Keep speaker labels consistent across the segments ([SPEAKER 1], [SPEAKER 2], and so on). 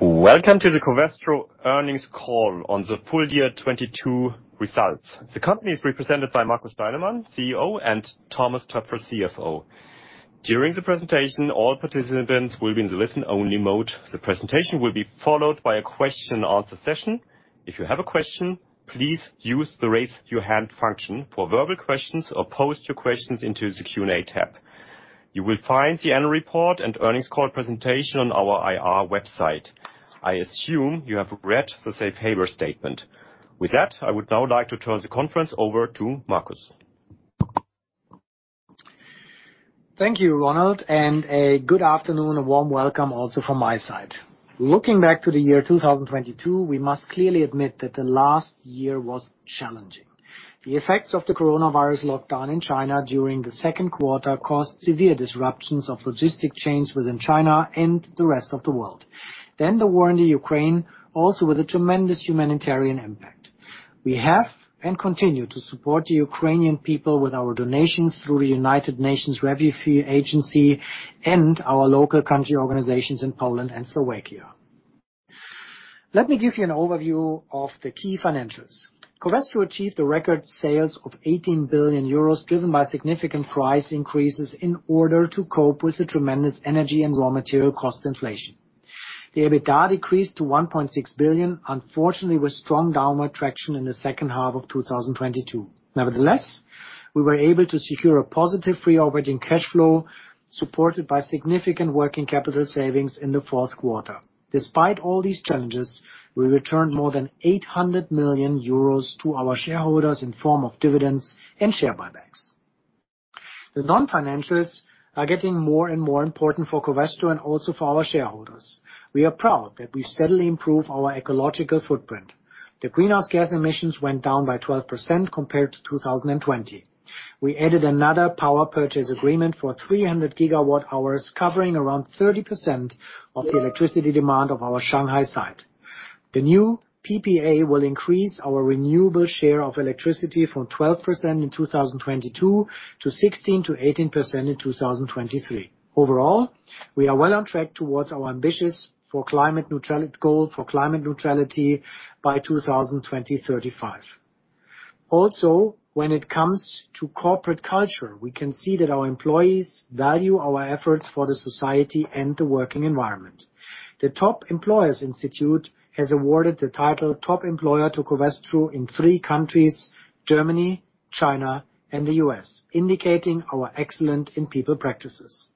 [SPEAKER 1] Welcome to the Covestro earnings call on the full year 2022 results. The company is represented by Markus Steilemann, CEO, and Thomas Toepfer, CFO. During the presentation, all participants will be in the listen-only mode. The presentation will be followed by a question and answer session. If you have a question, please use the Raise Your Hand function for verbal questions, or pose your questions into the Q&A tab. You will find the annual report and earnings call presentation on our IR website. I assume you have read the safe harbor statement. I would now like to turn the conference over to Markus.
[SPEAKER 2] Thank you, Ronald. A good afternoon. A warm welcome also from my side. Looking back to the year 2022, we must clearly admit that the last year was challenging. The effects of the coronavirus lockdown in China during the second quarter caused severe disruptions of logistics chains within China and the rest of the world. The war in Ukraine, also with a tremendous humanitarian impact. We have, and continue to support the Ukrainian people with our donations through the United Nations Refugee Agency and our local country organizations in Poland and Slovakia. Let me give you an overview of the key financials. Covestro achieved the record sales of 18 billion euros, driven by significant price increases in order to cope with the tremendous energy and raw material cost inflation. The EBITDA decreased to 1.6 billion, unfortunately, with strong downward traction in the second half of 2022. We were able to secure a positive free operating cash flow, supported by significant working capital savings in the fourth quarter. Despite all these challenges, we returned more than 800 million euros to our shareholders in form of dividends and share buybacks. The non-financials are getting more and more important for Covestro and also for our shareholders. We are proud that we steadily improve our ecological footprint. The greenhouse gas emissions went down by 12% compared to 2020. We added another power purchase agreement for 300 GWh, covering around 30% of the electricity demand of our Shanghai site. The new PPA will increase our renewable share of electricity from 12% in 2022 to 16%-18% in 2023. Overall, we are well on track towards our ambitious goal for climate neutrality by 2035. When it comes to corporate culture, we can see that our employees value our efforts for the society and the working environment. The Top Employers Institute has awarded the title Top Employer to Covestro in three countries, Germany, China, and the U.S., indicating our excellence in people practices.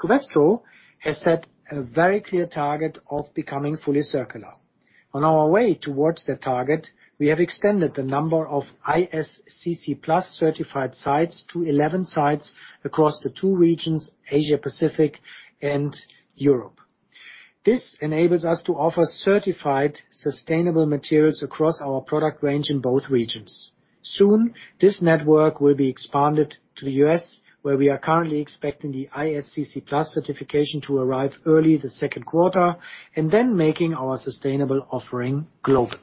[SPEAKER 2] Covestro has set a very clear target of becoming fully circular. On our way towards that target, we have extended the number of ISCC PLUS certified sites to 11 sites across the two regions, Asia-Pacific and Europe. This enables us to offer certified sustainable materials across our product range in both regions. Soon, this network will be expanded to the U.S., where we are currently expecting the ISCC PLUS certification to arrive early the second quarter and then making our sustainable offering global.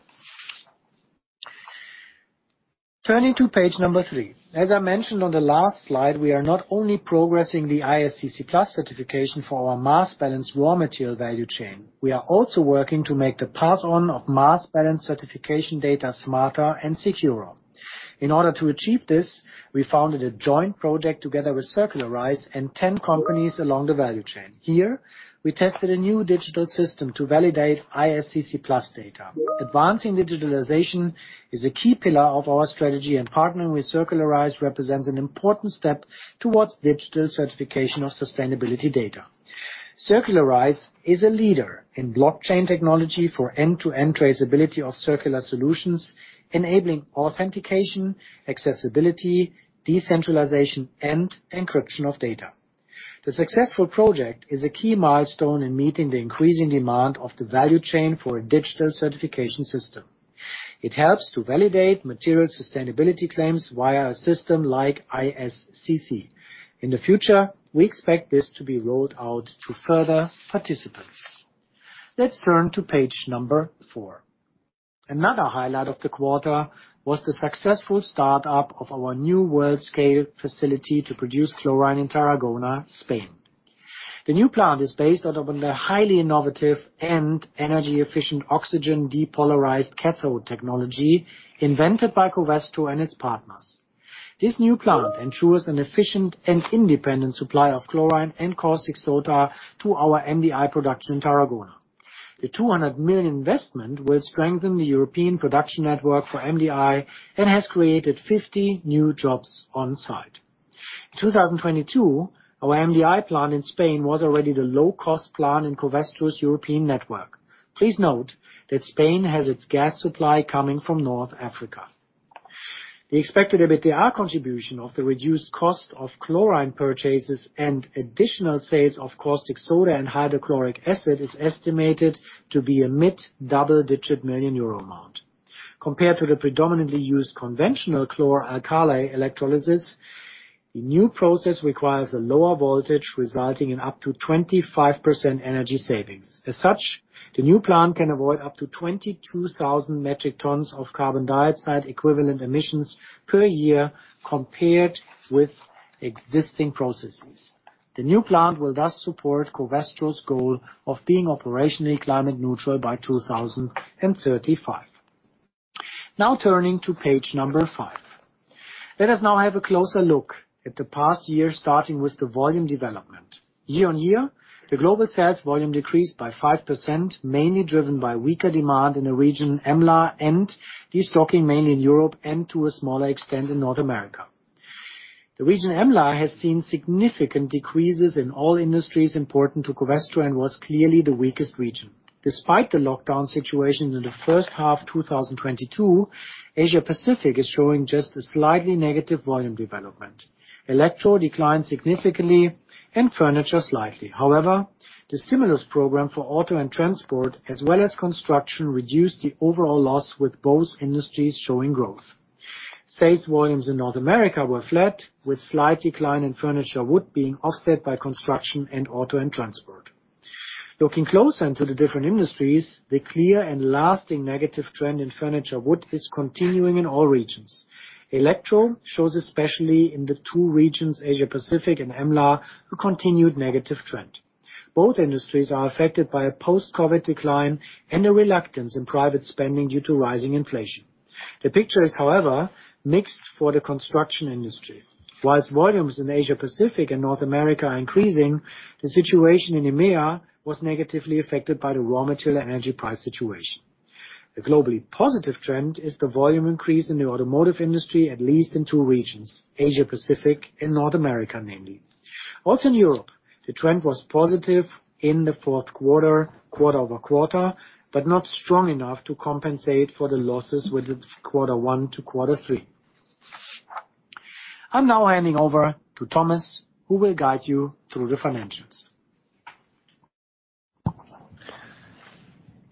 [SPEAKER 2] Turning to page number three, as I mentioned on the last slide, we are not only progressing the ISCC PLUS certification for our mass balance raw material value chain, we are also working to make the pass on of mass balance certification data smarter and securer. In order to achieve this, we founded a joint project together with Circularise and 10 companies along the value chain. Here we tested a new digital system to validate ISCC PLUS data. Advancing digitalization is a key pillar of our strategy, and partnering with Circularise represents an important step towards digital certification of sustainability data. Circularise is a leader in blockchain technology for end-to-end traceability of circular solutions, enabling authentication, accessibility, decentralization, and encryption of data. The successful project is a key milestone in meeting the increasing demand of the value chain for a digital certification system. It helps to validate material sustainability claims via a system like ISCC. In the future, we expect this to be rolled out to further participants. Let's turn to page number four. Another highlight of the quarter was the successful startup of our new world scale facility to produce chlorine in Tarragona, Spain. The new plant is based out of the highly innovative and energy-efficient oxygen depolarized cathode technology invented by Covestro and its partners. This new plant ensures an efficient and independent supply of chlorine and caustic soda to our MDI production in Tarragona. The 200 million investment will strengthen the European production network for MDI and has created 50 new jobs on site. In 2022, our MDI plant in Spain was already the low-cost plant in Covestro's European network. Please note that Spain has its gas supply coming from North Africa. The expected EBITDA contribution of the reduced cost of chlorine purchases and additional sales of caustic soda and hydrochloric acid is estimated to be a mid-double digit million EUR amount. Compared to the predominantly used conventional chlor-alkali electrolysis, the new process requires a lower voltage, resulting in up to 25% energy savings. The new plant can avoid up to 22,000 metric tons of carbon dioxide equivalent emissions per year compared with existing processes. The new plant will thus support Covestro's goal of being operationally climate neutral by 2035. Now turning to page number five. Let us now have a closer look at the past year, starting with the volume development. Year on year, the global sales volume decreased by 5%, mainly driven by weaker demand in the region EMLA and destocking mainly in Europe and to a smaller extent in North America. The region EMLA has seen significant decreases in all industries important to Covestro and was clearly the weakest region. Despite the lockdown situation in the first half 2022, Asia-Pacific is showing just a slightly negative volume development. Electro declined significantly and furniture slightly. However, the stimulus program for auto and transport, as well as construction, reduced the overall loss, with both industries showing growth. Sales volumes in North America were flat, with slight decline in furniture wood being offset by construction and auto and transport. Looking closer into the different industries, the clear and lasting negative trend in furniture wood is continuing in all regions. Electro shows, especially in the two regions, Asia-Pacific and EMLA, a continued negative trend. Both industries are affected by a post-Covid decline and a reluctance in private spending due to rising inflation. The picture is, however, mixed for the construction industry. Whilst volumes in Asia-Pacific and North America are increasing, the situation in EMEA was negatively affected by the raw material energy price situation. A globally positive trend is the volume increase in the automotive industry, at least in two regions, Asia-Pacific and North America, namely. In Europe, the trend was positive in the fourth quarter-over-quarter, but not strong enough to compensate for the losses with quarter one to quarter three. I'm now handing over to Thomas, who will guide you through the financials.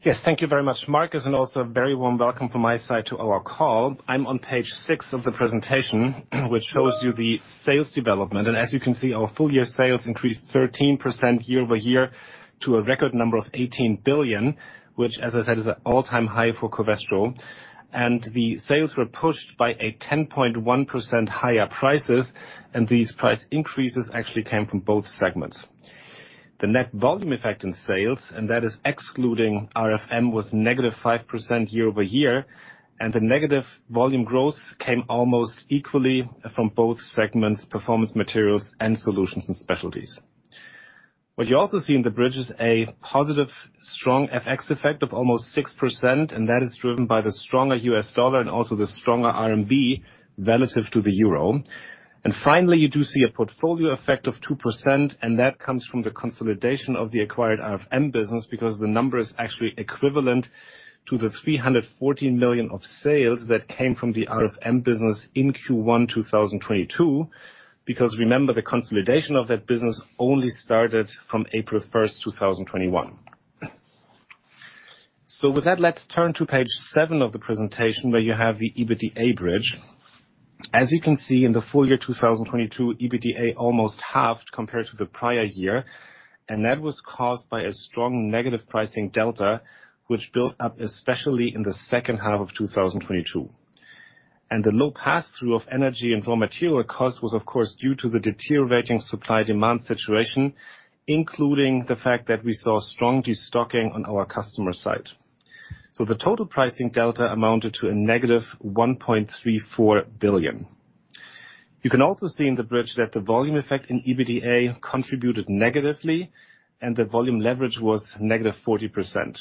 [SPEAKER 3] Yes. Thank you very much, Markus, also a very warm welcome from my side to our call. I'm on page six of the presentation which shows you the sales development. As you can see, our full year sales increased 13% year-over-year to a record number of 18 billion, which, as I said, is an all-time high for Covestro. The sales were pushed by a 10.1% higher prices. These price increases actually came from both segments. The net volume effect in sales, and that is excluding RFM, was negative 5% year-over-year, and the negative volume growth came almost equally from both segments, Performance Materials and Solutions & Specialties. What you also see in the bridge is a positive strong FX effect of almost 6%, and that is driven by the stronger U.S. dollar and also the stronger RMB relative to the euro. Finally, you do see a portfolio effect of 2%, and that comes from the consolidation of the acquired RFM business, because the number is actually equivalent to the 314 million of sales that came from the RFM business in Q1 2022. Remember, the consolidation of that business only started from April 1, 2021. With that, let's turn to page seven of the presentation where you have the EBITDA bridge. As you can see in the full year 2022, EBITDA almost halved compared to the prior year, and that was caused by a strong negative pricing delta, which built up especially in the second half of 2022. The low passthrough of energy and raw material cost was of course due to the deteriorating supply demand situation, including the fact that we saw strong destocking on our customer side. The total pricing delta amounted to a negative 1.34 billion. You can also see in the bridge that the volume effect in EBITDA contributed negatively and the volume leverage was negative 40%.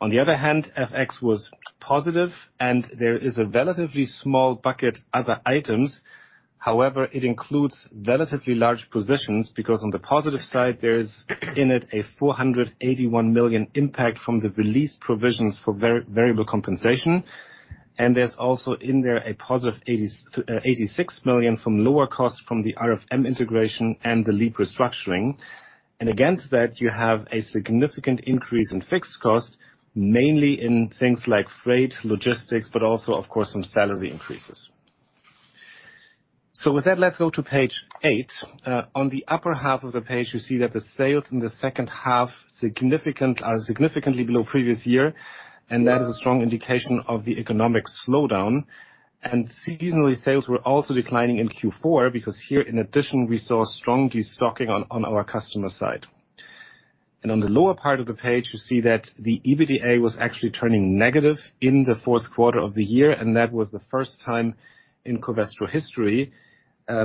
[SPEAKER 3] FX was positive and there is a relatively small bucket other items. However, it includes relatively large positions because on the positive side, there is in it a 481 million impact from the released provisions for variable compensation. There's also in there a positive 86 million from lower costs from the RFM integration and the LEAP restructuring. Against that, you have a significant increase in fixed cost, mainly in things like freight, logistics, but also of course, some salary increases. With that, let's go to page eight. On the upper half of the page, you see that the sales in the second half are significantly below previous year, and that is a strong indication of the economic slowdown. Seasonally sales were also declining in Q4 because here, in addition, we saw strong destocking on our customer side. On the lower part of the page you see that the EBITDA was actually turning negative in the fourth quarter of the year, and that was the first time in Covestro history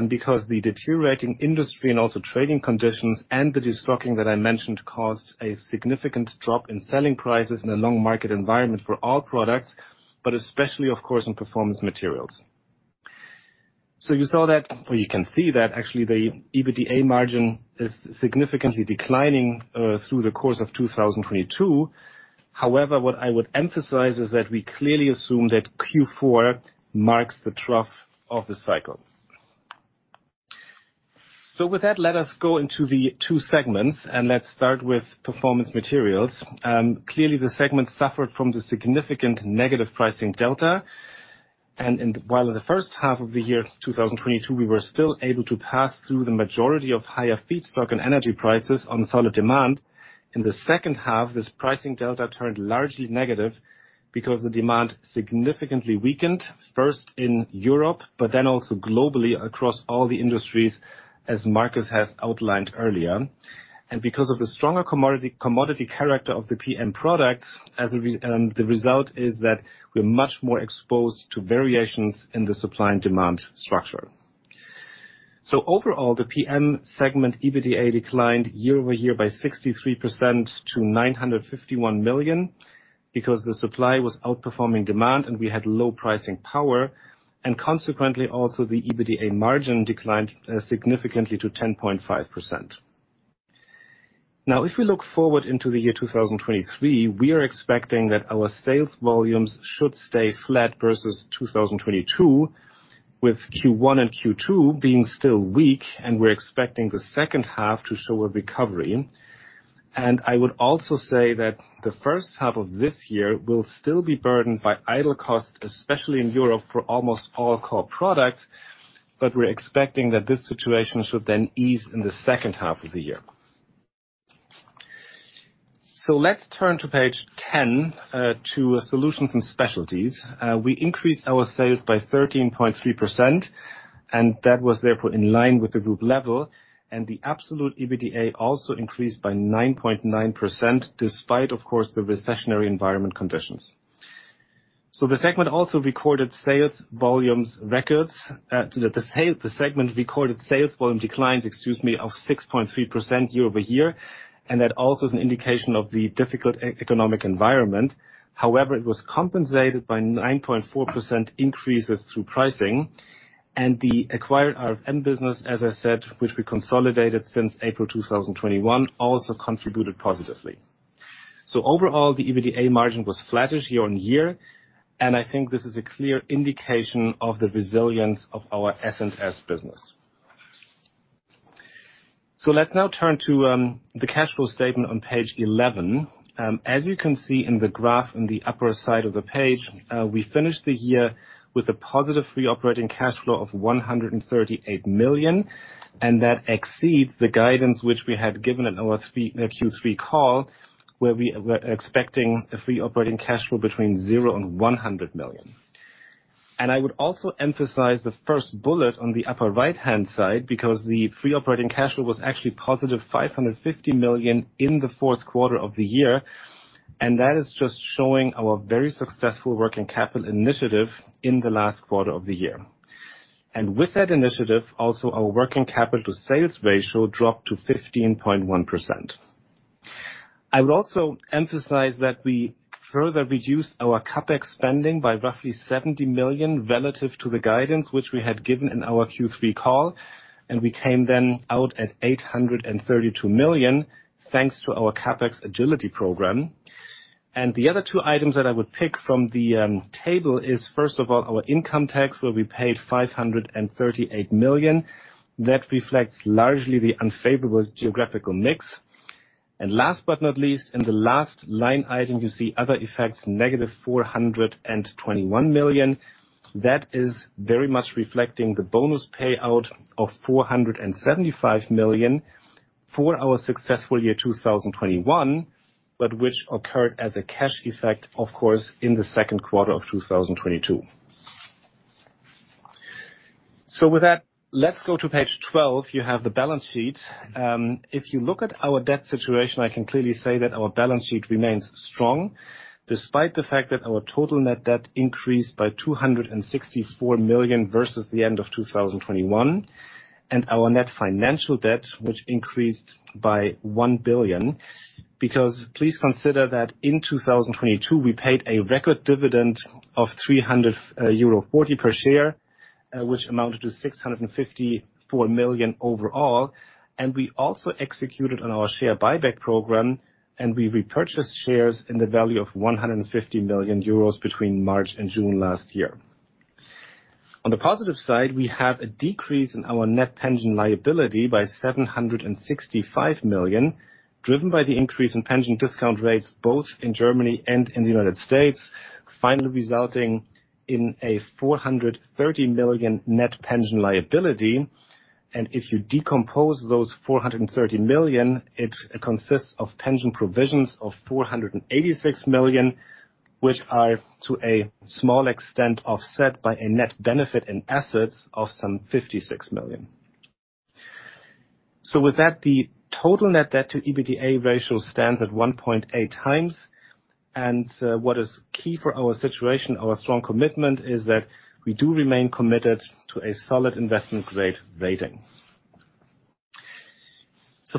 [SPEAKER 3] because the deteriorating industry and also trading conditions and the destocking that I mentioned caused a significant drop in selling prices in a long market environment for all products, but especially of course, in Performance Materials. You saw that, or you can see that actually the EBITDA margin is significantly declining through the course of 2022. However, what I would emphasize is that we clearly assume that Q4 marks the trough of the cycle. With that, let us go into the two segments and let's start with Performance Materials. Clearly the segment suffered from the significant negative pricing delta. While in the first half of 2022, we were still able to pass through the majority of higher feedstock and energy prices on solid demand. In the second half, this pricing delta turned largely negative because the demand significantly weakened, first in Europe, but then also globally across all the industries, as Markus has outlined earlier. Because of the stronger commodity character of the PM products, as a result, we're much more exposed to variations in the supply and demand structure. Overall, the PM segment EBITDA declined year-over-year by 63% to 951 million because the supply was outperforming demand, and we had low pricing power, and consequently also the EBITDA margin declined significantly to 10.5%. If we look forward into the year 2023, we are expecting that our sales volumes should stay flat versus 2022, with Q1 and Q2 being still weak. We're expecting the second half to show a recovery. I would also say that the first half of this year will still be burdened by idle costs, especially in Europe, for almost all core products. We're expecting that this situation should then ease in the second half of the year. Let's turn to page 10, to Solutions & Specialties. We increased our sales by 13.3%, that was therefore in line with the group level. The absolute EBITDA also increased by 9.9% despite, of course, the recessionary environment conditions. The segment also recorded sales volumes records. The segment recorded sales volume declines, excuse me, of 6.3% year-over-year, and that also is an indication of the difficult economic environment. However, it was compensated by 9.4% increases through pricing. The acquired RFM business, as I said, which we consolidated since April 2021, also contributed positively. Overall, the EBITDA margin was flattish year-on-year, and I think this is a clear indication of the resilience of our S&S business. Let's now turn to the cash flow statement on page 11. As you can see in the graph in the upper side of the page, we finished the year with a positive free operating cash flow of 138 million, that exceeds the guidance which we had given in our Q3 call, where we were expecting a free operating cash flow between 0-100 million. I would also emphasize the first bullet on the upper right-hand side, because the free operating cash flow was actually positive 550 million in the fourth quarter of the year, that is just showing our very successful working capital initiative in the last quarter of the year. With that initiative, also our working capital sales ratio dropped to 15.1%. I would also emphasize that we further reduced our CapEx spending by roughly 70 million relative to the guidance which we had given in our Q3 call, and we came then out at 832 million, thanks to our CapEx Agility program. The other two items that I would pick from the table is, first of all, our income tax, where we paid 538 million. That reflects largely the unfavorable geographical mix. Last but not least, in the last line item, you see other effects, negative 421 million. That is very much reflecting the bonus payout of 475 million for our successful year 2021, but which occurred as a cash effect, of course, in the second quarter of 2022. With that, let's go to page 12. You have the balance sheet. If you look at our debt situation, I can clearly say that our balance sheet remains strong, despite the fact that our total net debt increased by 264 million versus the end of 2021, and our net financial debt, which increased by 1 billion. Please consider that in 2022, we paid a record dividend of 3.40 euro per share, which amounted to 654 million overall. We also executed on our share buyback program, and we repurchased shares in the value of 150 million euros between March and June 2022. On the positive side, we have a decrease in our net pension liability by 765 million, driven by the increase in pension discount rates both in Germany and in the United States, finally resulting in a 430 million net pension liability. If you decompose those 430 million, it consists of pension provisions of 486 million, which are to a small extent offset by a net benefit in assets of some 56 million. With that, the total net debt to EBITDA ratio stands at 1.8x. What is key for our situation, our strong commitment, is that we do remain committed to a solid investment-grade rating.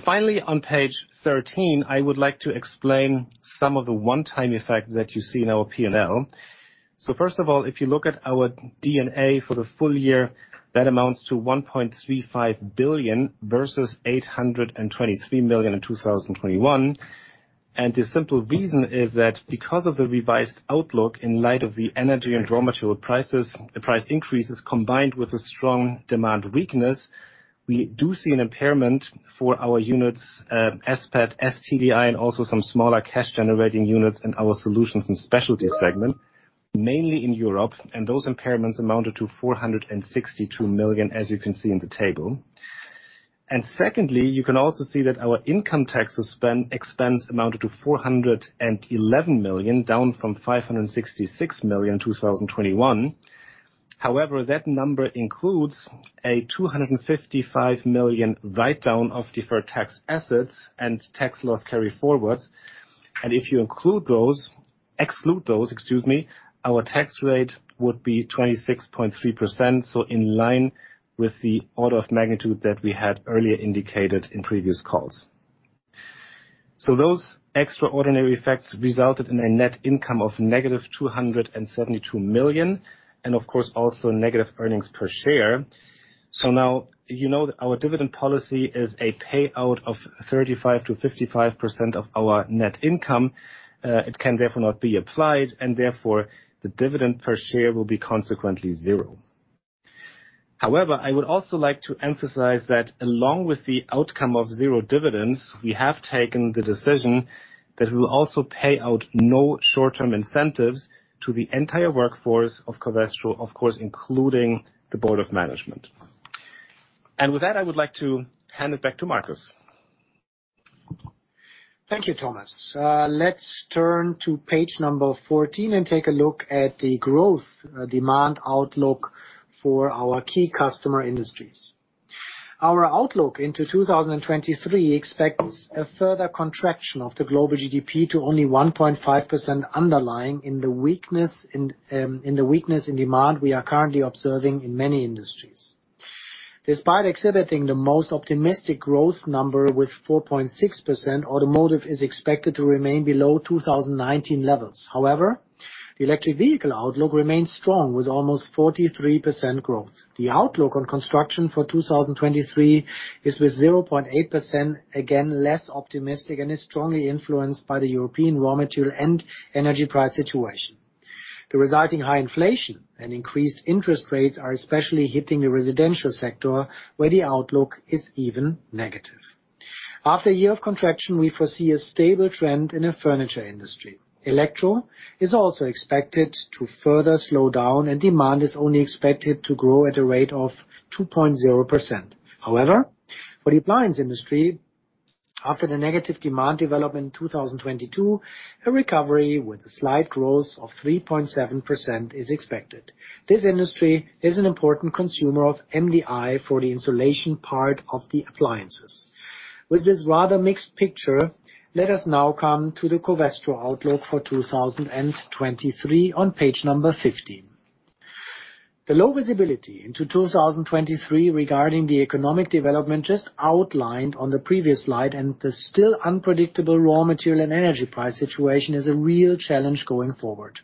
[SPEAKER 3] Finally, on page 13, I would like to explain some of the one-time effect that you see in our P&L. First of all, if you look at our D&A for the full year, that amounts to 1.35 billion versus 823 million in 2021. The simple reason is that because of the revised outlook in light of the energy and raw material prices, the price increases combined with a strong demand weakness, we do see an impairment for our units, SPET, STDI, and also some smaller cash generating units in our Solutions & Specialties segment, mainly in Europe. Those impairments amounted to 462 million, as you can see in the table. Secondly, you can also see that our income taxes expense amounted to 411 million, down from 566 million in 2021. That number includes a 255 million write-down of deferred tax assets and tax loss carryforward. If you exclude those, excuse me, our tax rate would be 26.3%, in line with the order of magnitude that we had earlier indicated in previous calls. Those extraordinary effects resulted in a net income of negative 272 million and of course, also negative earnings per share. Now you know that our dividend policy is a payout of 35%-55% of our net income. It can therefore not be applied, and therefore the dividend per share will be consequently 0. However, I would also like to emphasize that along with the outcome of zero dividends, we have taken the decision that we will also pay out no short-term incentives to the entire workforce of Covestro, of course, including the board of management. With that, I would like to hand it back to Markus.
[SPEAKER 2] Thank you, Thomas. Let's turn to page number 14 and take a look at the growth demand outlook for our key customer industries. Our outlook into 2023 expects a further contraction of the global GDP to only 1.5% underlying the weakness in demand we are currently observing in many industries. Despite exhibiting the most optimistic growth number with 4.6%, automotive is expected to remain below 2019 levels. However, the electric vehicle outlook remains strong, with almost 43% growth. The outlook on construction for 2023 is, with 0.8%, again less optimistic and is strongly influenced by the European raw material and energy price situation. The resulting high inflation and increased interest rates are especially hitting the residential sector, where the outlook is even negative. After a year of contraction, we foresee a stable trend in the furniture industry. Electro is also expected to further slow down, demand is only expected to grow at a rate of 2.0%. However, for the appliance industry, after the negative demand development in 2022, a recovery with a slight growth of 3.7% is expected. This industry is an important consumer of MDI for the insulation part of the appliances. With this rather mixed picture, let us now come to the Covestro outlook for 2023 on page number 15. The low visibility into 2023 regarding the economic development just outlined on the previous slide and the still unpredictable raw material and energy price situation is a real challenge going forward.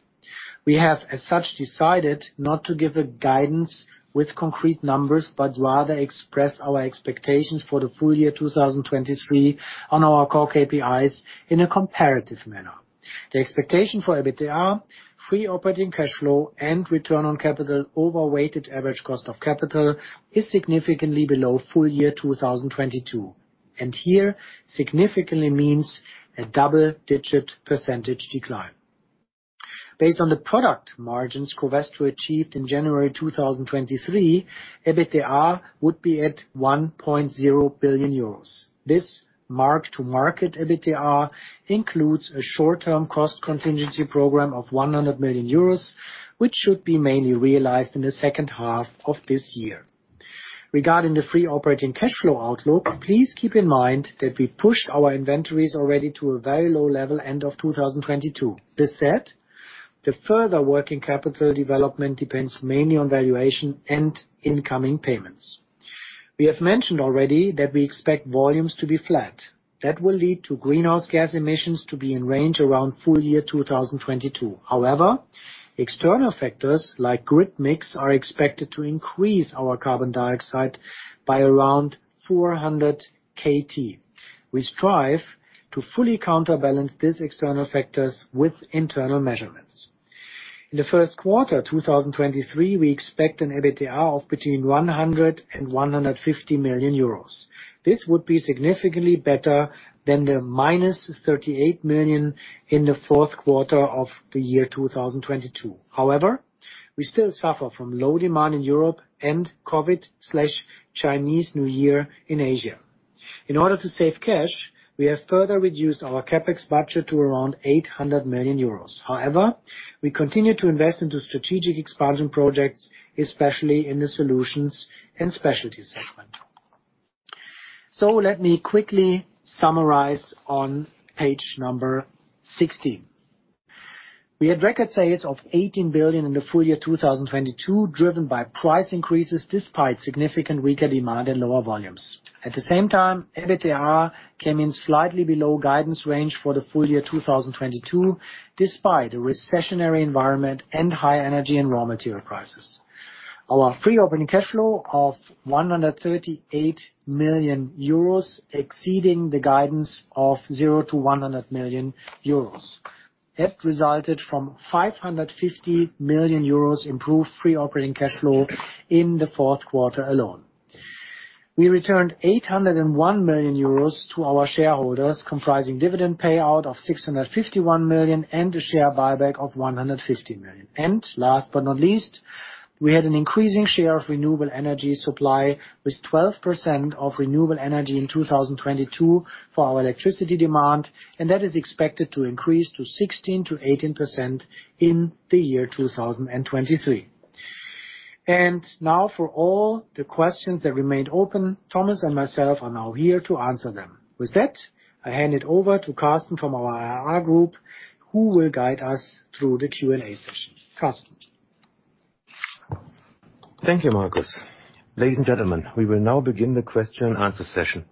[SPEAKER 2] We have, as such, decided not to give a guidance with concrete numbers, but rather express our expectations for the full year 2023 on our core KPIs in a comparative manner. The expectation for EBITDA, free operating cash flow, and return on capital over weighted average cost of capital is significantly below full year 2022. Here, significantly means a double-digit percentage decline. Based on the product margins Covestro achieved in January 2023, EBITDA would be at 1.0 billion euros. This mark to market EBITDA includes a short-term cost contingency program of 100 million euros, which should be mainly realized in the second half of this year. Regarding the free operating cash flow outlook, please keep in mind that we pushed our inventories already to a very low level end of 2022. This said, the further working capital development depends mainly on valuation and incoming payments. We have mentioned already that we expect volumes to be flat. That will lead to greenhouse gas emissions to be in range around full year 2022. However, external factors like grid mix are expected to increase our carbon dioxide by around 400 KT. We strive to fully counterbalance these external factors with internal measurements. In the first quarter 2023, we expect an EBITDA of between 100 million euros and 150 million euros. This would be significantly better than the -38 million in the fourth quarter 2022. However, we still suffer from low demand in Europe and COVID/Chinese New Year in Asia. In order to save cash, we have further reduced our CapEx budget to around 800 million euros. We continue to invest into strategic expansion projects, especially in the Solutions & Specialties segment. Let me quickly summarize on page number 16. We had record sales of 18 billion in the full year 2022, driven by price increases despite significant weaker demand and lower volumes. At the same time, EBITDA came in slightly below guidance range for the full year 2022, despite a recessionary environment and high energy and raw material prices. Our free operating cash flow of 138 million euros, exceeding the guidance of 0-100 million euros, have resulted from 550 million euros improved free operating cash flow in the fourth quarter alone. We returned 801 million euros to our shareholders, comprising dividend payout of 651 million and a share buyback of 150 million. Last but not least, we had an increasing share of renewable energy supply with 12% of renewable energy in 2022 for our electricity demand. That is expected to increase to 16%-18% in the year 2023. Now for all the questions that remained open, Thomas and myself are now here to answer them. With that, I hand it over to Carsten from our IR group, who will guide us through the Q&A session. [Carsten].
[SPEAKER 4] Thank you, Markus. Ladies and gentlemen, we will now begin the question and answer session.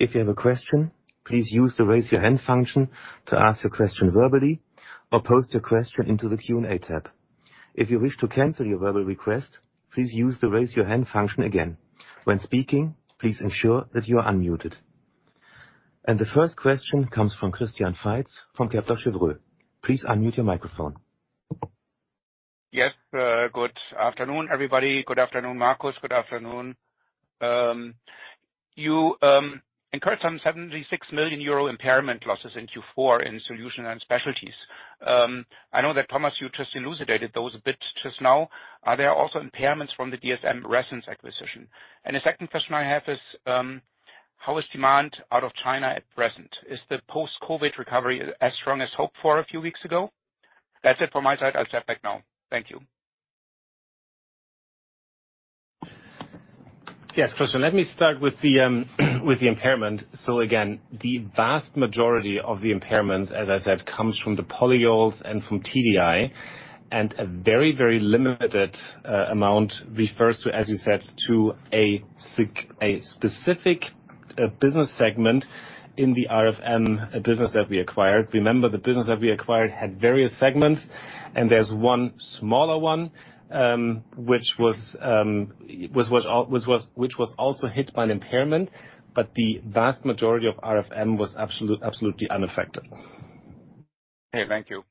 [SPEAKER 4] If you have a question, please use the Raise Your Hand function to ask your question verbally or post your question into the Q&A tab. If you wish to cancel your verbal request, please use the Raise Your Hand function again. When speaking, please ensure that you are unmuted. The first question comes from Christian Faitz from Kepler Cheuvreux. Please unmute your microphone.
[SPEAKER 5] Yes, good afternoon, everybody. Good afternoon, Markus. Good afternoon. You incurred some 76 million euro impairment losses in Q4 in Solutions & Specialties. I know that, Thomas, you just elucidated those a bit just now. Are there also impairments from the DSM Resins acquisition? The second question I have is, how is demand out of China at present? Is the post-COVID recovery as strong as hoped for a few weeks ago? That's it from my side. I'll step back now. Thank you.
[SPEAKER 3] Yes, Christian, let me start with the impairment. Again, the vast majority of the impairments, as I said, comes from the polyols and from TDI. A very, very limited amount refers to, as you said, to a specific business segment in the RFM, a business that we acquired. Remember, the business that we acquired had various segments, and there's one smaller one, which was also hit by an impairment, but the vast majority of RFM was absolutely unaffected.
[SPEAKER 5] Okay. Thank you.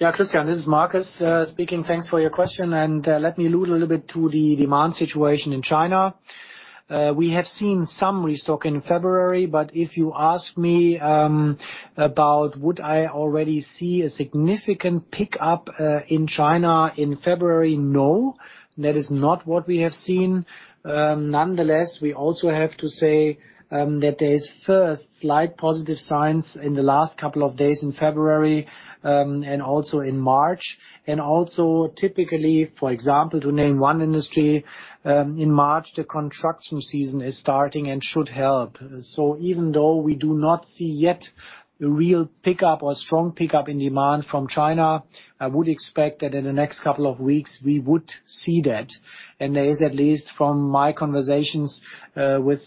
[SPEAKER 2] Yeah, Christian, this is Markus, speaking. Thanks for your question, and let me allude a little bit to the demand situation in China. We have seen some restock in February, but if you ask me, about would I already see a significant pickup in China in February, no. That is not what we have seen. Nonetheless, we also have to say, that there is first slight positive signs in the last couple of days in February, and also in March. Typically, for example, to name one industry, in March, the construction season is starting and should help. Even though we do not see yet a real pickup or strong pickup in demand from China, I would expect that in the next couple of weeks we would see that. There is, at least from my conversations, with,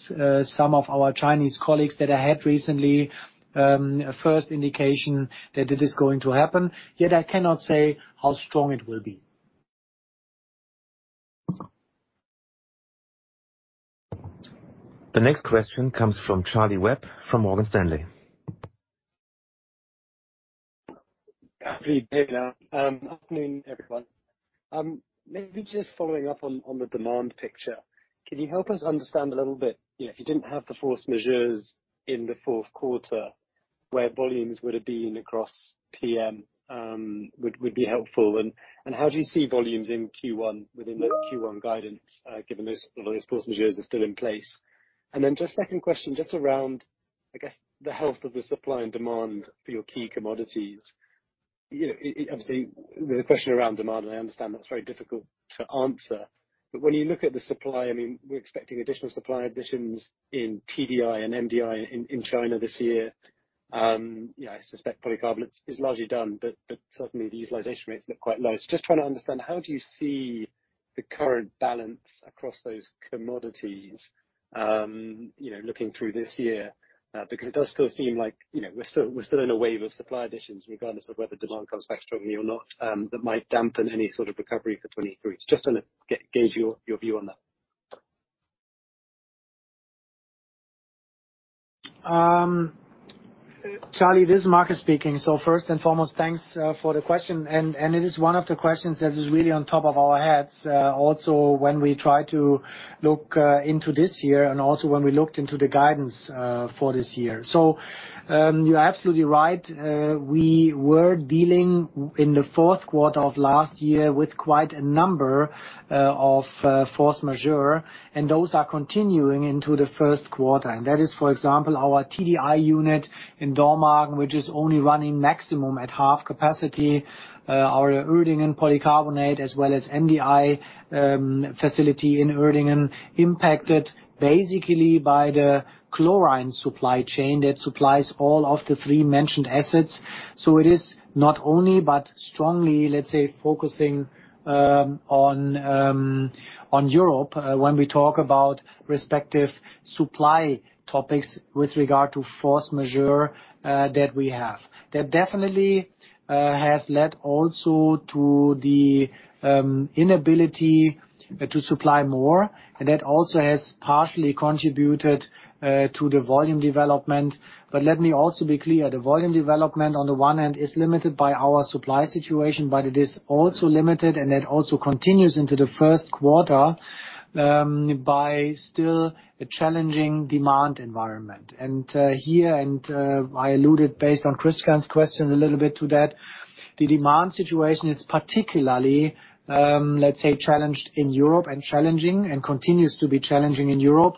[SPEAKER 2] some of our Chinese colleagues that I had recently, a first indication that it is going to happen, yet I cannot say how strong it will be.
[SPEAKER 4] The next question comes from Charlie Webb from Morgan Stanley.
[SPEAKER 6] Good afternoon. Afternoon, everyone. Maybe just following up on the demand picture. Can you help us understand a little bit, you know, if you didn't have the force majeures in the fourth quarter, where volumes would have been across PM, would be helpful. How do you see volumes in Q1 within the Q1 guidance, given those force majeures are still in place? Just second question, just around, I guess, the health of the supply and demand for your key commodities. You know, obviously, the question around demand, I understand that's very difficult to answer. When you look at the supply, I mean, we're expecting additional supply additions in TDI and MDI in China this year. You know, I suspect polycarbonates is largely done, but certainly the utilization rates look quite low. Just trying to understand, how do you see the current balance across those commodities, you know, looking through this year? Because it does still seem like, you know, we're still in a wave of supply additions regardless of whether demand comes back strongly or not, that might dampen any sort of recovery for 2023. Just wanna gauge your view on that.
[SPEAKER 2] Charlie, this is Markus speaking. First and foremost, thanks for the question. It is one of the questions that is really on top of our heads also when we try to look into this year and also when we looked into the guidance for this year. You're absolutely right. We were dealing in the fourth quarter of last year with quite a number of force majeure, and those are continuing into the first quarter. That is, for example, our TDI unit in Dormagen, which is only running maximum at half capacity. Our Uerdingen polycarbonate as well as MDI facility in Uerdingen impacted basically by the chlorine supply chain that supplies all of the three mentioned assets. It is not only but strongly, let's say, focusing on Europe, when we talk about respective supply topics with regard to force majeure, that we have. That definitely has led also to the inability to supply more, and that also has partially contributed to the volume development. Let me also be clear, the volume development on the one hand is limited by our supply situation, but it is also limited and it also continues into the first quarter by still a challenging demand environment. Here and I alluded based on Christian Faitz's question a little bit to that, the demand situation is particularly, let's say, challenged in Europe and challenging and continues to be challenging in Europe.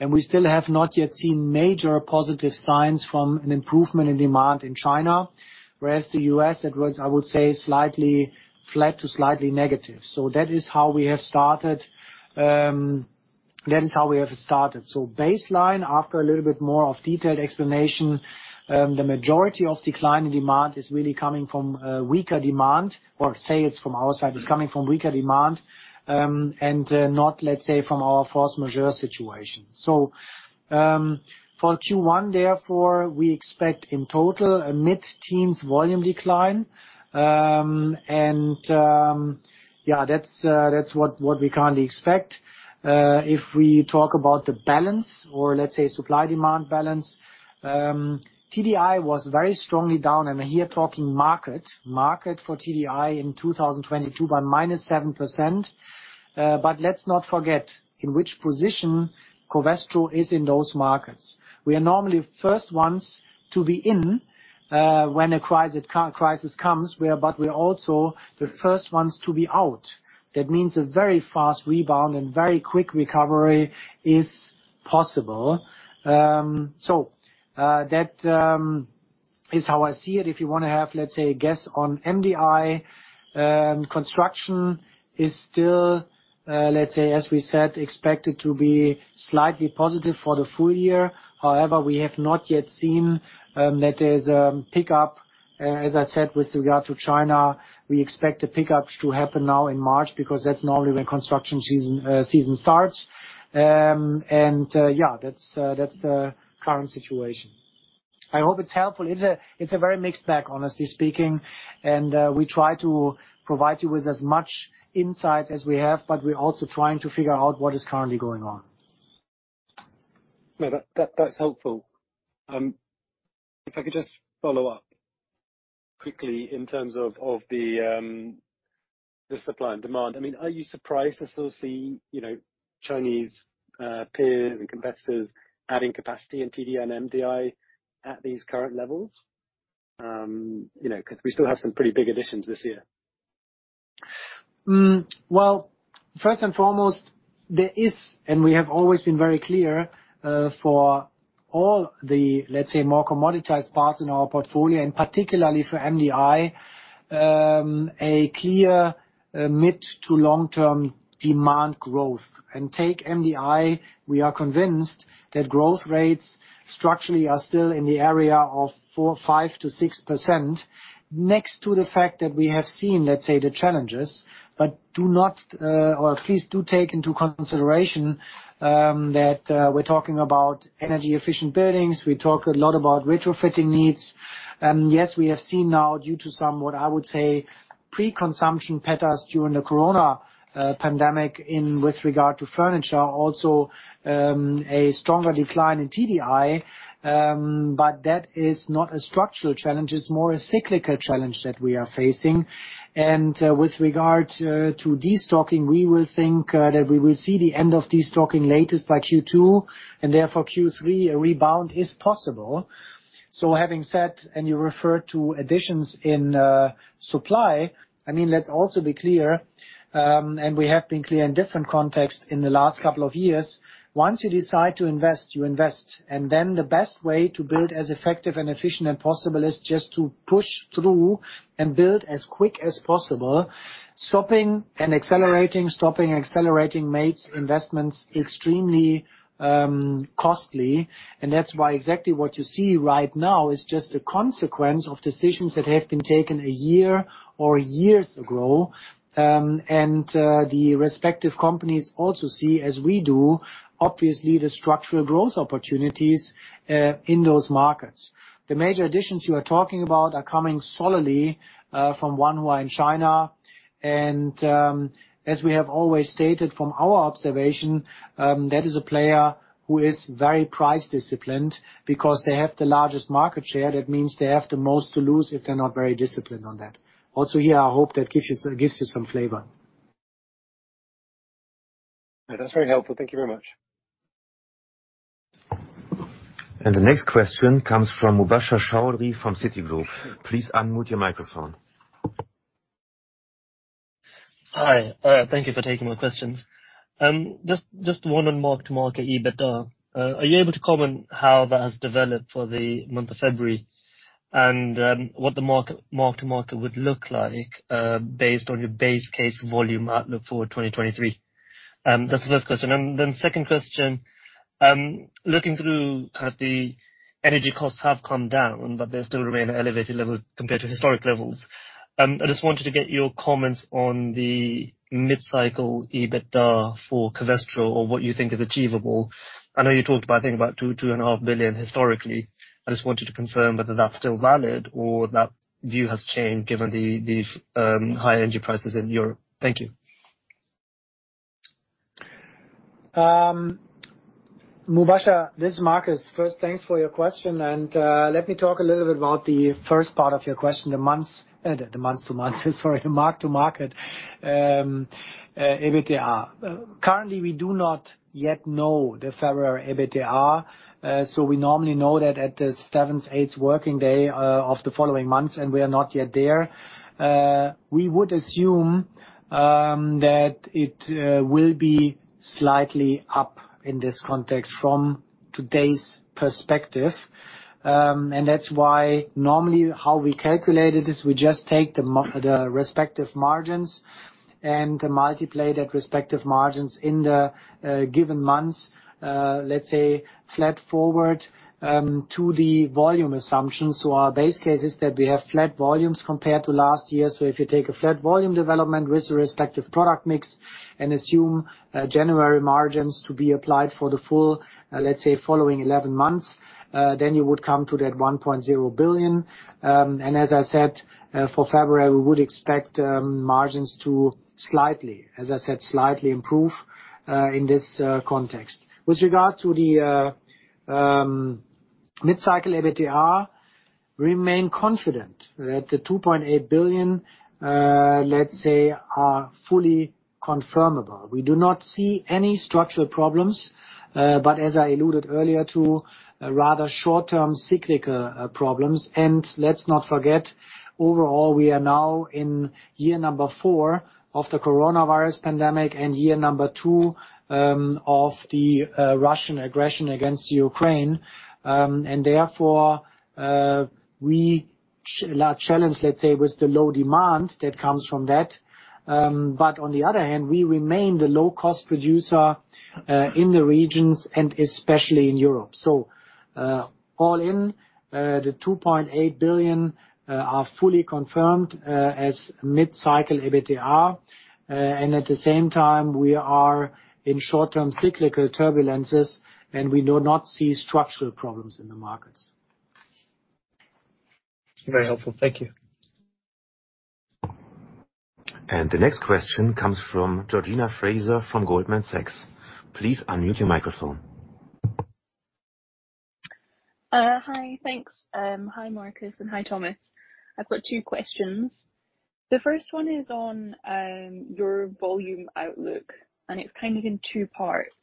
[SPEAKER 2] We still have not yet seen major positive signs from an improvement in demand in China, whereas the U.S., that was, I would say slightly flat to slightly negative. That is how we have started. Baseline, after a little bit more of detailed explanation, the majority of decline in demand is really coming from weaker demand or say it's from our side, it's coming from weaker demand, and not, let's say, from our force majeure situation. For Q1 therefore, we expect in total a mid-teens volume decline. And yeah, that's what we currently expect. If we talk about the balance or let's say supply-demand balance, TDI was very strongly down and here talking market. Market for TDI in 2022 by -7%. Let's not forget in which position Covestro is in those markets. We are normally first ones to be in when a crisis co-crisis comes. We are also the first ones to be out. That means a very fast rebound and very quick recovery is possible. That is how I see it. If you wanna have, let's say, a guess on MDI, construction is still, let's say, as we said, expected to be slightly positive for the full year. However, we have not yet seen that there's pickup as I said, with regard to China. We expect the pickups to happen now in March because that's normally when construction season starts. Yeah, that's the current situation. I hope it's helpful. It's a very mixed bag, honestly speaking, and we try to provide you with as much insight as we have, but we're also trying to figure out what is currently going on.
[SPEAKER 6] No, that's helpful. If I could just follow up quickly in terms of the supply and demand. I mean, are you surprised to still see, you know, Chinese peers and competitors adding capacity in TDI and MDI at these current levels? You know, 'cause we still have some pretty big additions this year.
[SPEAKER 2] Well, first and foremost, there is, and we have always been very clear, for all the, let's say, more commoditized parts in our portfolio, and particularly for MDI, a clear, mid to long-term demand growth. Take MDI, we are convinced that growth rates structurally are still in the area of 4%, 5% to 6% next to the fact that we have seen, let's say, the challenges, but do not, or at least do take into consideration, that we're talking about energy-efficient buildings. We talk a lot about retrofitting needs. Yes, we have seen now due to some what I would say pre-consumption patterns during the corona pandemic in with regard to furniture also, a stronger decline in TDI. That is not a structural challenge, it's more a cyclical challenge that we are facing. With regard to destocking, we will think that we will see the end of destocking latest by Q2, and therefore Q3 a rebound is possible. Having said, and you referred to additions in supply, I mean, let's also be clear, and we have been clear in different contexts in the last couple of years. Once you decide to invest, you invest, and then the best way to build as effective and efficient and possible is just to push through and build as quick as possible. Stopping and accelerating, stopping and accelerating makes investments extremely costly. That's why exactly what you see right now is just a consequence of decisions that have been taken a year or years ago. The respective companies also see, as we do, obviously, the structural growth opportunities in those markets. The major additions you are talking about are coming solely from Wanhua in China. As we have always stated from our observation, that is a player who is very price-disciplined because they have the largest market share. That means they have the most to lose if they're not very disciplined on that. Also here, I hope that gives you some flavor.
[SPEAKER 6] That's very helpful. Thank you very much.
[SPEAKER 4] The next question comes from Mubashir Chaudhry from Citigroup. Please unmute your microphone.
[SPEAKER 7] Hi. Thank you for taking my questions. Just one on mark to market EBITDA. Are you able to comment how that has developed for the month of February and what the mark to market would look like based on your base case volume outlook for 2023? That's the first question. Second question, looking through kind of the energy costs have come down, but they still remain at elevated levels compared to historic levels. I just wanted to get your comments on the mid-cycle EBITDA for Covestro or what you think is achievable. I know you talked about, I think about 2 billion-2.5 billion historically. I just wanted to confirm whether that's still valid or that view has changed given the high energy prices in Europe. Thank you.
[SPEAKER 2] Mubasha, this is Markus. First, thanks for your question, and let me talk a little bit about the first part of your question, the months to months, sorry, mark to market EBITDA. Currently, we do not yet know the February EBITDA. So we normally know that at the seventh, eighth working day of the following months, and we are not yet there. We would assume that it will be slightly up in this context from today's perspective. That's why normally how we calculate it is we just take the respective margins and multiply the respective margins in the given months, let's say, flat forward to the volume assumption. Our base case is that we have flat volumes compared to last year. If you take a flat volume development with the respective product mix and assume January margins to be applied for the full, let's say, following 11 months, then you would come to that 1.0 billion. As I said, for February, we would expect margins to slightly, as I said, improve in this context. With regard to the mid-cycle EBITDA, remain confident that the 2.8 billion, let's say, are fully confirmable. We do not see any structural problems, but as I alluded earlier to, rather short-term cyclical problems. Let's not forget, overall, we are now in year number four of the coronavirus pandemic and year number two of the Russian aggression against Ukraine. Therefore, we are challenged, let's say, with the low demand that comes from that. On the other hand, we remain the low-cost producer in the regions and especially in Europe. All in, the 2.8 billion are fully confirmed as mid-cycle EBITDA. At the same time, we are in short-term cyclical turbulences, and we do not see structural problems in the markets.
[SPEAKER 7] Very helpful. Thank you.
[SPEAKER 4] The next question comes from Georgina Fraser from Goldman Sachs. Please unmute your microphone.
[SPEAKER 8] Hi. Thanks. Hi, Markus, and hi, Thomas. I've got two questions. The first one is on your volume outlook, and it's kind of in two parts.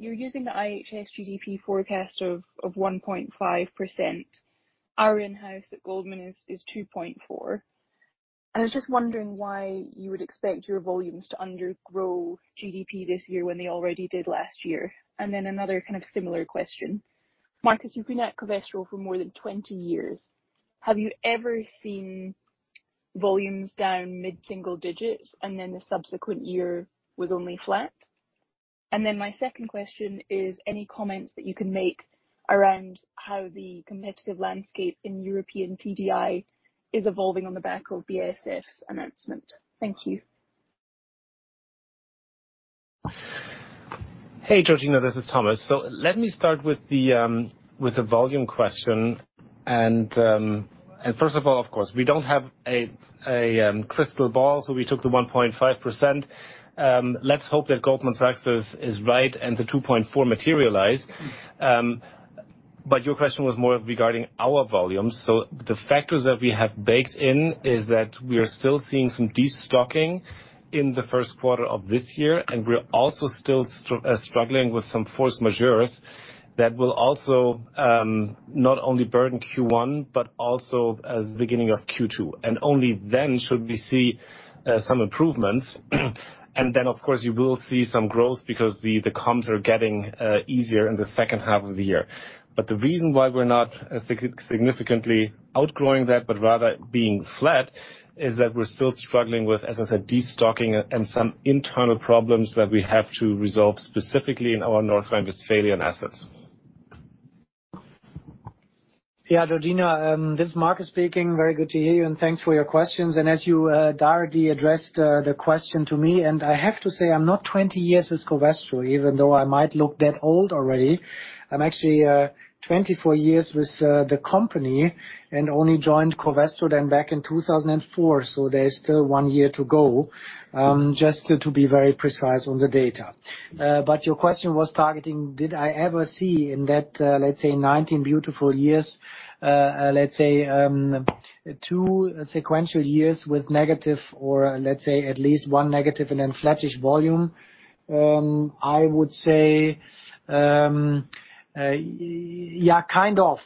[SPEAKER 8] You're using the IHS GDP forecast of 1.5%. Our in-house at Goldman is 2.4%. I was just wondering why you would expect your volumes to undergrow GDP this year when they already did last year. Another kind of similar question. Markus, you've been at Covestro for more than 20 years. Have you ever seen volumes down mid-single digits, and then the subsequent year was only flat? My second question is, any comments that you can make around how the competitive landscape in European TDI is evolving on the back of BASF's announcement? Thank you.
[SPEAKER 3] Hey, Georgina, this is Thomas. Let me start with the volume question. First of all, of course, we don't have a crystal ball, so we took the 1.5%. Let's hope that Goldman Sachs is right and the 2.4% materialize. Your question was more regarding our volumes. The factors that we have baked in is that we are still seeing some destocking in the first quarter of this year, and we're also still struggling with some force majeures that will also not only burden Q1 but also the beginning of Q2. Only then should we see some improvements. Then, of course, you will see some growth because the comms are getting easier in the second half of the year. The reason why we're not significantly outgrowing that, but rather being flat, is that we're still struggling with, as I said, destocking and some internal problems that we have to resolve, specifically in our North Rhine-Westphalian assets.
[SPEAKER 2] Yeah, Georgina, this is Markus speaking. Very good to hear you, thanks for your questions. As you directly addressed the question to me, and I have to say, I'm not 20 years with Covestro, even though I might look that old already. I'm actually 24 years with the company and only joined Covestro then back in 2004. There is still one year to go, just to be very precise on the data. Your question was targeting, did I ever see in that, let's say 19 beautiful years, let's say, two sequential years with negative or, let's say, at least one negative and then flattish volume? I would say, yeah, kind of.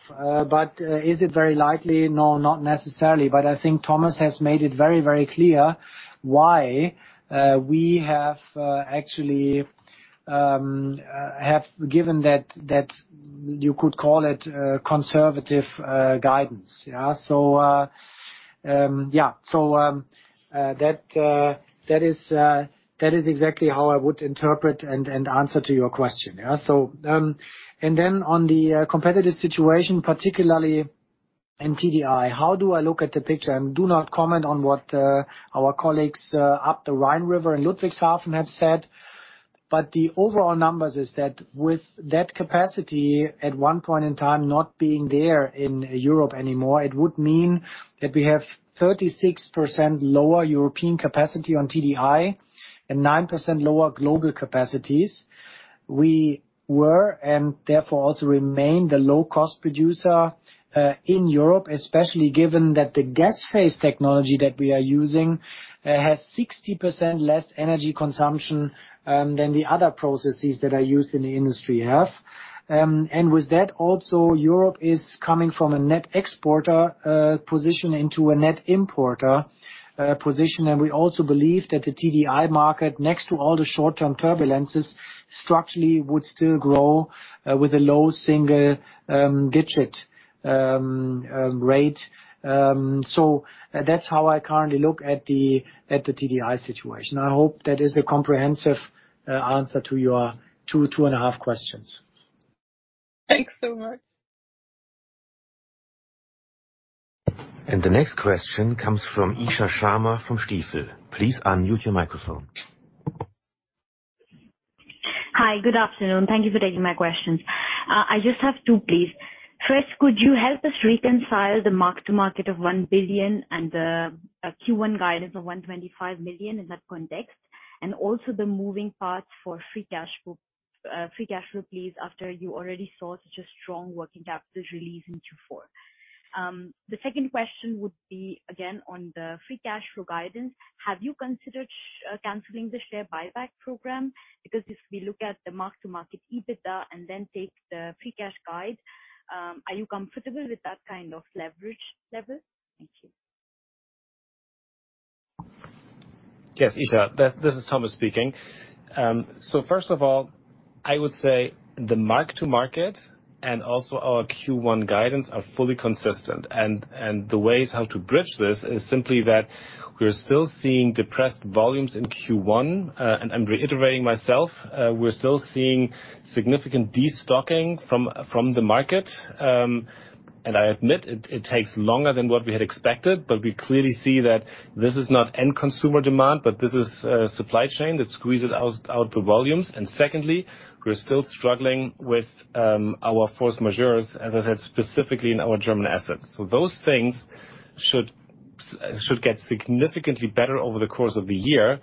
[SPEAKER 2] Is it very likely? No, not necessarily. I think Thomas has made it very, very clear why we have actually given that you could call it conservative guidance. Yeah. Yeah. That is exactly how I would interpret and answer to your question. Yeah. Then on the competitive situation, particularly in TDI, how do I look at the picture? Do not comment on what our colleagues up the Rhine River in Ludwigshafen have said. The overall numbers is that with that capacity at one point in time not being there in Europe anymore, it would mean that we have 36% lower European capacity on TDI and 9% lower global capacities. We were and therefore also remain the low-cost producer in Europe, especially given that the gas phase technology that we are using has 60% less energy consumption than the other processes that are used in the industry have. With that also, Europe is coming from a net exporter position into a net importer position. We also believe that the TDI market, next to all the short-term turbulences, structurally would still grow with a low single-digit rate. That's how I currently look at the TDI situation. I hope that is a comprehensive answer to your two and a half questions.
[SPEAKER 8] Thanks so much.
[SPEAKER 4] The next question comes from Isha Sharma from Stifel. Please unmute your microphone.
[SPEAKER 9] Hi, good afternoon. Thank you for taking my questions. I just have two, please. First, could you help us reconcile the mark to market of 1 billion and the Q1 guidance of 125 million in that context, and also the moving parts for Free Cash Flow, please, after you already saw such a strong working capital release in Q4? The second question would be, again, on the free cash flow guidance. Have you considered canceling the share buyback program? If we look at the mark to market EBITDA and then take the free cash guide, are you comfortable with that kind of leverage level? Thank you.
[SPEAKER 3] Yes, Isha, this is Thomas speaking. First of all, I would say the mark to market and also our Q1 guidance are fully consistent. The ways how to bridge this is simply that we're still seeing depressed volumes in Q1. I'm reiterating myself, we're still seeing significant destocking from the market. I admit it takes longer than what we had expected, but we clearly see that this is not end consumer demand, but this is supply chain that squeezes out the volumes. Secondly, we're still struggling with our force majeures, as I said, specifically in our German assets. Those things should get significantly better over the course of the year.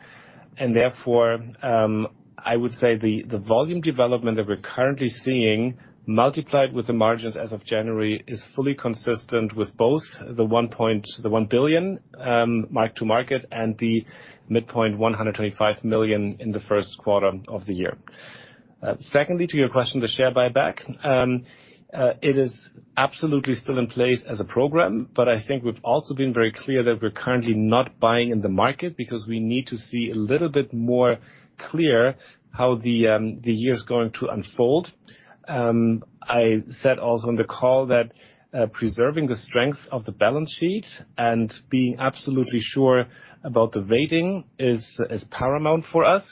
[SPEAKER 3] I would say the volume development that we're currently seeing multiplied with the margins as of January is fully consistent with both the 1 billion mark to market and the midpoint 125 million in the first quarter of the year. Secondly to your question, the share buyback. It is absolutely still in place as a program, but I think we've also been very clear that we're currently not buying in the market because we need to see a little bit more clear how the year is going to unfold. I said also on the call that preserving the strength of the balance sheet and being absolutely sure about the rating is paramount for us.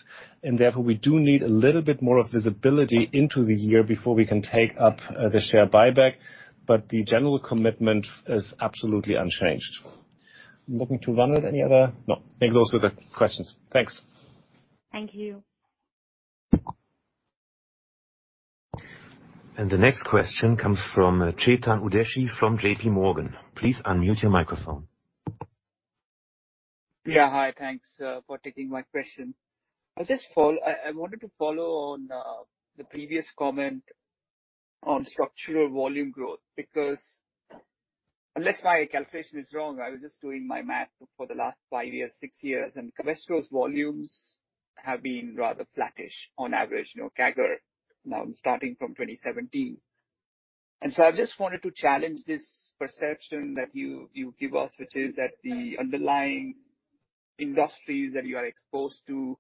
[SPEAKER 3] Therefore we do need a little bit more of visibility into the year before we can take up the share buyback. The general commitment is absolutely unchanged. I'm looking to Ronald any other. No, I think those were the questions. Thanks.
[SPEAKER 9] Thank you.
[SPEAKER 4] The next question comes from Chetan Udeshi from JPMorgan. Please unmute your microphone.
[SPEAKER 10] Hi. Thanks for taking my question. I wanted to follow on the previous comment on structural volume growth. Unless my calculation is wrong, I was just doing my math for the last five-six years, and Covestro's volumes have been rather flattish on average, you know, CAGR now starting from 2017. I just wanted to challenge this perception that you give us, which is that the underlying industries that you are exposed to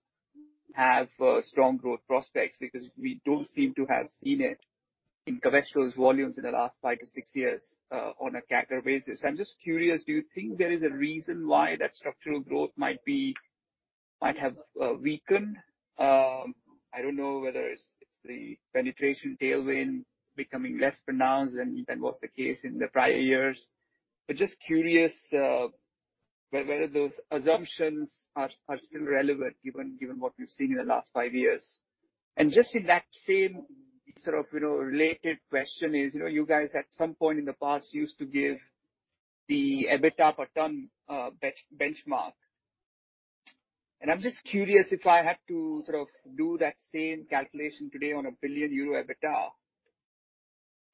[SPEAKER 10] have strong growth prospects because we don't seem to have seen it in Covestro's volumes in the last five-six years on a CAGR basis. I'm just curious, do you think there is a reason why that structural growth might have weakened? I don't know whether it's the penetration tailwind becoming less pronounced than was the case in the prior years, but just curious whether those assumptions are still relevant given what we've seen in the last five years. Just in that same sort of, you know, related question is, you know, you guys at some point in the past used to give the EBITDA per ton benchmark. I'm just curious if I had to sort of do that same calculation today on a 1 billion euro EBITDA,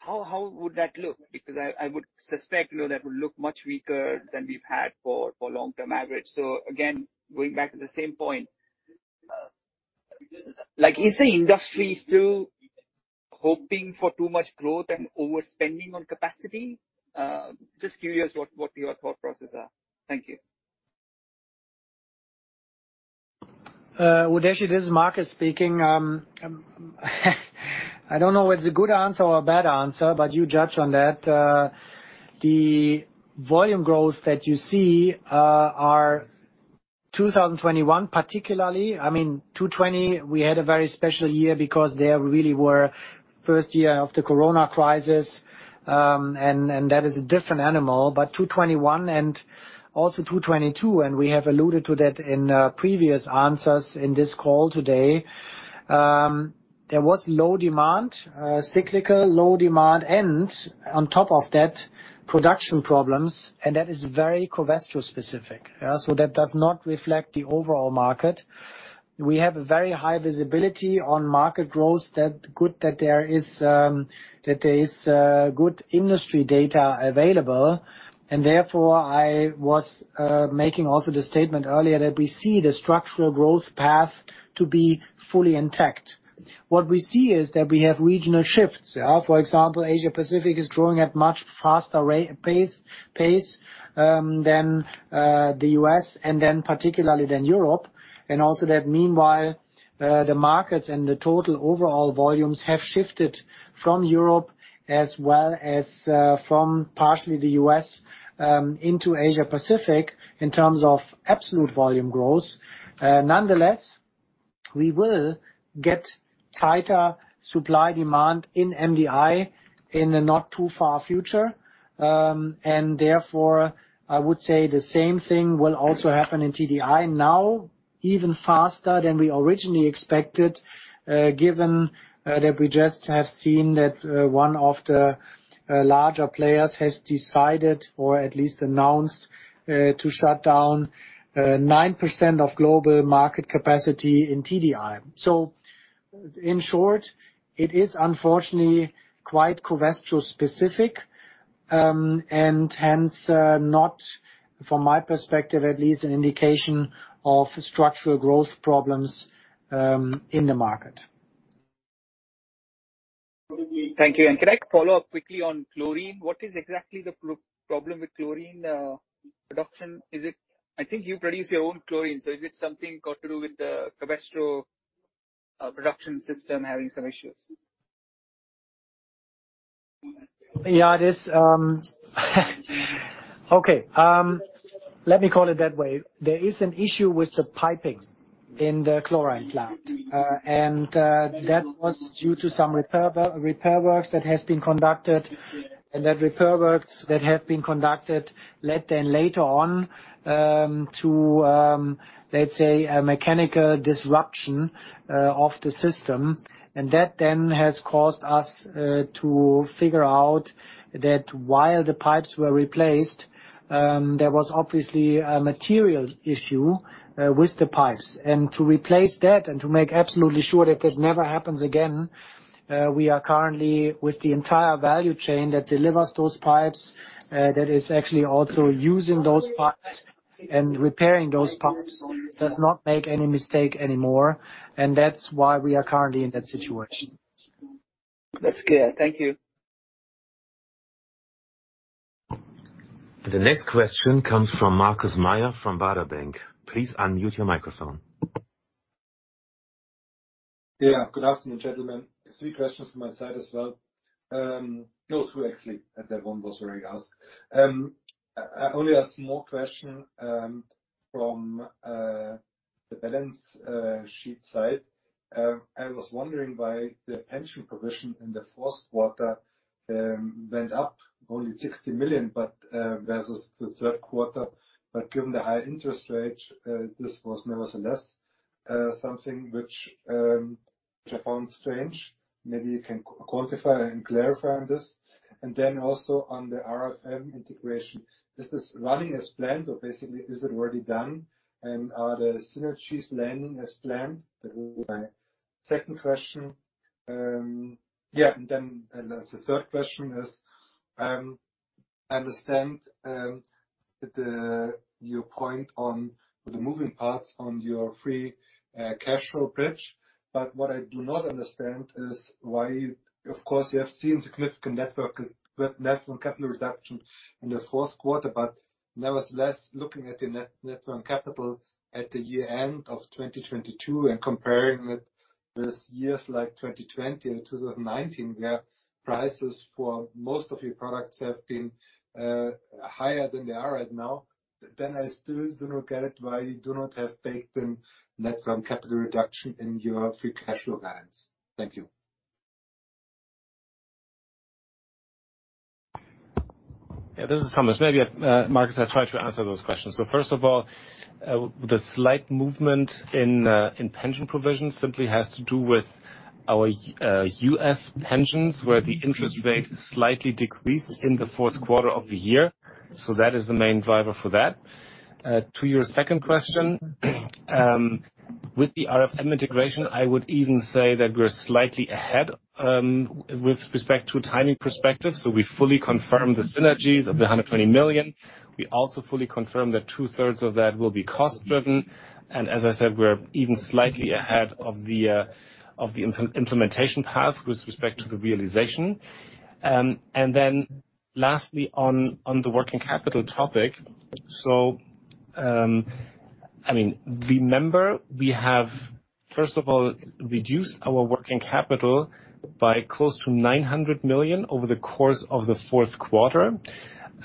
[SPEAKER 10] how would that look? Because I would suspect, you know, that would look much weaker than we've had for long-term average. Again, going back to the same point, like is the industry still hoping for too much growth and overspending on capacity? Just curious what your thought process are. Thank you.
[SPEAKER 2] Chetan Udeshi, this is Markus speaking. I don't know if it's a good answer or a bad answer, but you judge on that. The volume growth that you see are 2021 particularly. I mean, 2020 we had a very special year because there really were first year of the corona crisis, and that is a different animal. 2021 and also 2022, and we have alluded to that in previous answers in this call today, there was low demand, cyclical low demand and on top of that, production problems, and that is very Covestro specific. Yeah. That does not reflect the overall market. We have a very high visibility on market growth. Good that there is, that there is, good industry data available. Therefore, I was making also the statement earlier that we see the structural growth path to be fully intact. What we see is that we have regional shifts. For example, Asia Pacific is growing at much faster pace than the U.S. and then particularly than Europe. Also that meanwhile, the markets and the total overall volumes have shifted from Europe as well as from partially the U.S. into Asia Pacific in terms of absolute volume growth. Nonetheless, we will get tighter supply demand in MDI in the not too far future. Therefore, I would say the same thing will also happen in TDI now even faster than we originally expected, given that we just have seen that one of the larger players has decided, or at least announced, to shut down 9% of global market capacity in TDI. In short, it is unfortunately quite Covestro specific, and hence, not, from my perspective at least, an indication of structural growth problems, in the market.
[SPEAKER 10] Thank you. Can I follow up quickly on chlorine? What is exactly the problem with chlorine production? I think you produce your own chlorine, so is it something got to do with the Covestro production system having some issues?
[SPEAKER 2] Yeah, this. Okay. Let me call it that way. There is an issue with the piping in the chlorine plant. That was due to some repair works that has been conducted. That repair works that have been conducted led later on to, let's say, a mechanical disruption of the system. That then has caused us to figure out that while the pipes were replaced, there was obviously a materials issue with the pipes. To replace that and to make absolutely sure that this never happens again, we are currently with the entire value chain that delivers those pipes, that is actually also using those pipes and repairing those pipes, does not make any mistake anymore. That's why we are currently in that situation.
[SPEAKER 10] That's clear. Thank you.
[SPEAKER 1] The next question comes from Markus Mayer from Baader Bank. Please unmute your microphone.
[SPEAKER 11] Yeah. Good afternoon, gentlemen. Three questions from my side as well. No, two, actually, that one was already asked. Only a small question, from the balance sheet side. I was wondering why the pension provision in the fourth quarter went up only 60 million versus the third quarter. Given the high interest rate, this was nevertheless something which I found strange. Maybe you can quantify and clarify on this. Also on the RFM integration. Is this running as planned or basically is it already done? Are the synergies landing as planned? That would be my second question. The third question is, I understand your point on the moving parts on your free cash flow bridge. What I do not understand is why... Of course, you have seen significant net working capital reduction in the fourth quarter. Nevertheless, looking at the net-net working capital at the year-end of 2022 and comparing it with years like 2020 and 2019, where prices for most of your products have been higher than they are right now, then I still do not get it why you do not have baked in net working capital reduction in your free cash flow guidance. Thank you.
[SPEAKER 3] This is Thomas. Maybe Markus, I try to answer those questions. First of all, the slight movement in pension provisions simply has to do with our U.S. pensions, where the interest rate slightly decreased in the fourth quarter of the year. That is the main driver for that. To your second question, with the RFM integration, I would even say that we're slightly ahead with respect to timing perspective. We fully confirm the synergies of 120 million. We also fully confirm that two-thirds of that will be cost-driven. As I said, we're even slightly ahead of the implementation path with respect to the realization. Lastly, on the working capital topic. Remember, we have, first of all, reduced our working capital by close to 900 million over the course of the fourth quarter.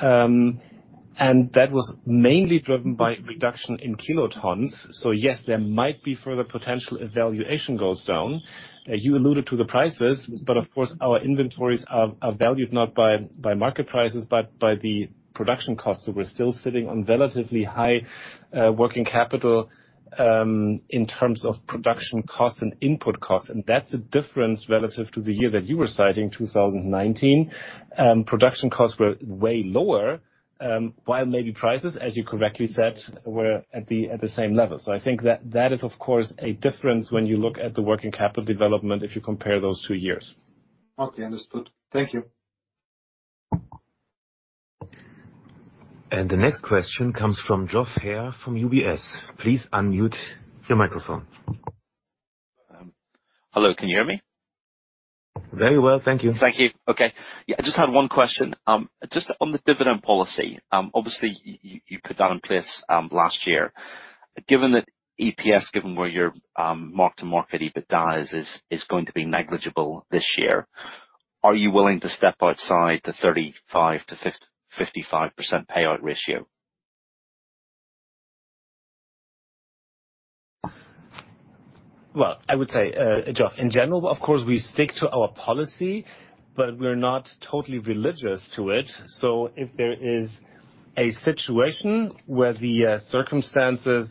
[SPEAKER 3] That was mainly driven by reduction in kilotons. Yes, there might be further potential if valuation goes down. You alluded to the prices, but of course, our inventories are valued not by market prices, but by the production costs. We're still sitting on relatively high working capital in terms of production costs and input costs. That's a difference relative to the year that you were citing, 2019. Production costs were way lower. While maybe prices, as you correctly said, were at the same level. I think that is, of course, a difference when you look at the working capital development, if you compare those two years.
[SPEAKER 11] Okay. Understood. Thank you.
[SPEAKER 4] The next question comes from Geoff Haire from UBS. Please unmute your microphone.
[SPEAKER 12] Hello, can you hear me?
[SPEAKER 2] Very well. Thank you.
[SPEAKER 12] Thank you. Okay. Yeah, I just had one question. just on the dividend policy, obviously you put that in place last year. Given that EPS, given where your mark-to-market EBITDA is going to be negligible this year, are you willing to step outside the 35%-55% payout ratio?
[SPEAKER 3] I would say, Geoff, in general, of course, we stick to our policy, but we're not totally religious to it. If there is a situation where the circumstances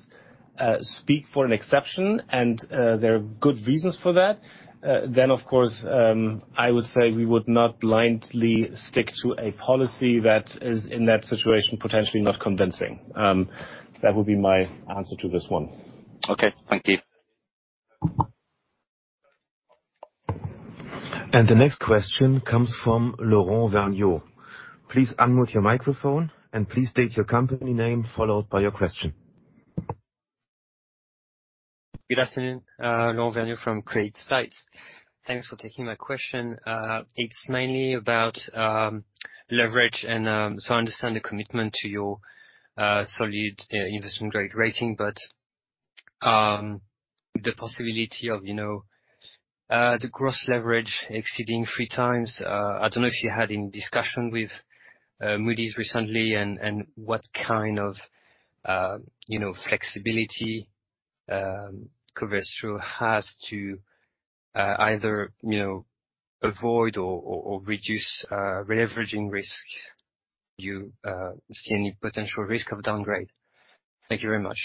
[SPEAKER 3] speak for an exception and there are good reasons for that, of course, I would say we would not blindly stick to a policy that is, in that situation, potentially not convincing. That would be my answer to this one.
[SPEAKER 12] Okay. Thank you.
[SPEAKER 4] The next question comes from Laurent [Verniaud]. Please unmute your microphone, and please state your company name, followed by your question.
[SPEAKER 13] Good afternoon. Laurent [Verniaud] from Credit Suisse. Thanks for taking my question. It's mainly about leverage and I understand the commitment to your solid investment-grade rating, but the possibility of, you know, the gross leverage exceeding 3x. I don't know if you had in discussion with Moody's recently and what kind of, you know, flexibility Covestro has to either, you know, avoid or reduce releveraging risk. Do you see any potential risk of downgrade? Thank you very much.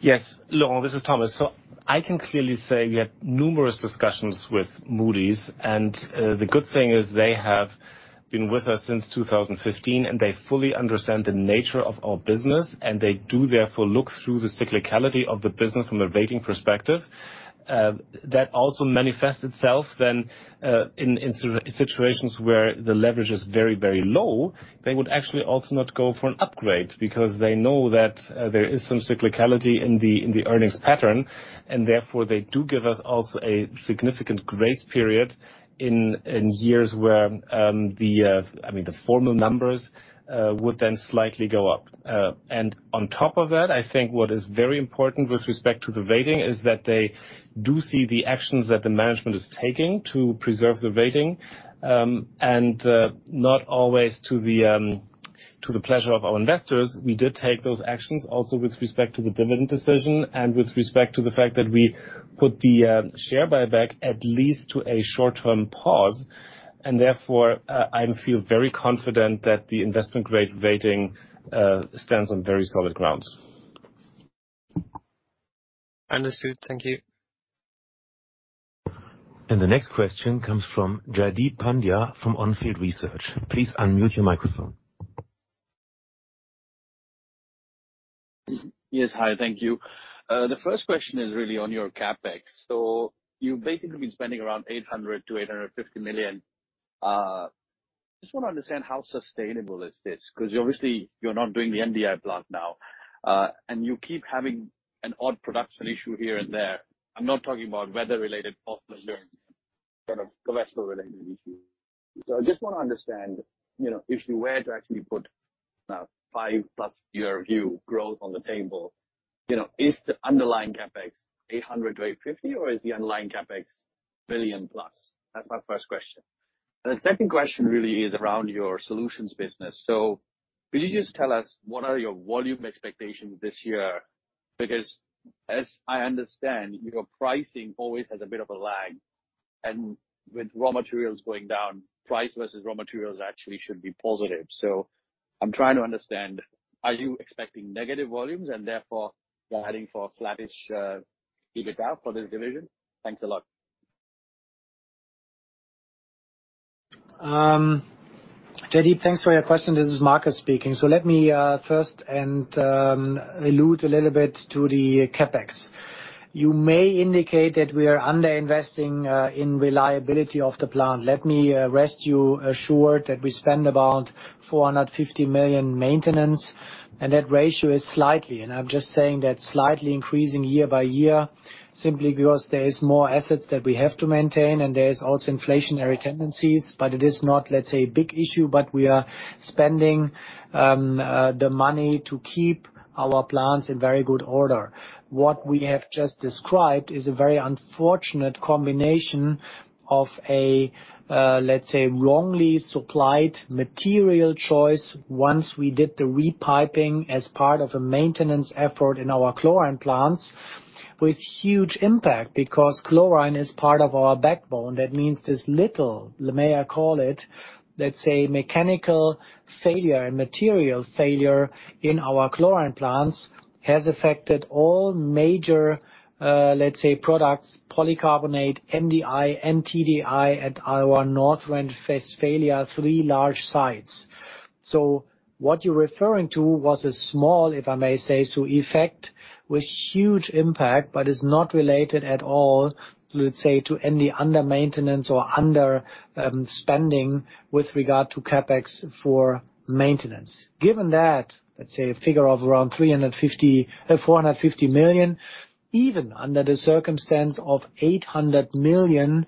[SPEAKER 3] Yes. Laurent, this is Thomas. I can clearly say we had numerous discussions with Moody's. The good thing is they have been with us since 2015. They fully understand the nature of our business. They do therefore look through the cyclicality of the business from a rating perspective. That also manifests itself then in situations where the leverage is very, very low. They would actually also not go for an upgrade because they know that there is some cyclicality in the earnings pattern. Therefore they do give us also a significant grace period in years where, I mean, the formal numbers would then slightly go up. On top of that, I think what is very important with respect to the rating is that they do see the actions that the management is taking to preserve the rating. Not always to the pleasure of our investors. We did take those actions also with respect to the dividend decision and with respect to the fact that we put the share buyback at least to a short-term pause, and therefore, I feel very confident that the investment-grade rating stands on very solid grounds.
[SPEAKER 13] Understood. Thank you.
[SPEAKER 4] The next question comes from Jaideep Pandya from On Field Investment Research. Please unmute your microphone.
[SPEAKER 14] Yes. Hi. Thank you. The first question is really on your CapEx. You've basically been spending around 800 million-850 million. Just wanna understand how sustainable is this, 'cause obviously you're not doing the MDI plant now, and you keep having an odd production issue here and there. I'm not talking about weather-related or learning kind of Covestro-related issue. I just wanna understand, you know, if you were to actually put, five plus year view growth on the table, you know, is the underlying CapEx 800 million-850 million, or is the underlying CapEx 1 billion+? That's my first question. The second question really is around your solutions business. Could you just tell us what are your volume expectations this year? Because as I understand, your pricing always has a bit of a lag, and with raw materials going down, price versus raw materials actually should be positive. I'm trying to understand, are you expecting negative volumes and therefore guiding for flattish, EBITDA for this division? Thanks a lot.
[SPEAKER 2] Jaideep, thanks for your question. This is Markus speaking. Let me first and allude a little bit to the CapEx. You may indicate that we are underinvesting in reliability of the plant. Let me rest you assured that we spend about 450 million maintenance, and that ratio is slightly, and I'm just saying that slightly increasing year by year, simply because there is more assets that we have to maintain, and there is also inflationary tendencies, but it is not, let's say, a big issue, but we are spending the money to keep our plants in very good order. What we have just described is a very unfortunate combination of a, let's say, wrongly supplied material choice once we did the repiping as part of a maintenance effort in our chlorine plants with huge impact because chlorine is part of our backbone. That means this little, may I call it, let's say, mechanical failure and material failure in our chlorine plants has affected all major, let's say, products, polycarbonate, MDI, TDI at our North Rhine-Westphalia, three large sites. What you're referring to was a small, if I may say so, effect with huge impact, but is not related at all, let's say, to any under-maintenance or under spending with regard to CapEx for maintenance. Given that, let's say a figure of around 450 million, even under the circumstance of 800 million